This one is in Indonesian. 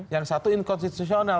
yang satu inkonstitusional